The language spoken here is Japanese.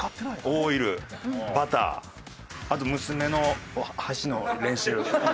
オイルバターあと娘の箸の練習。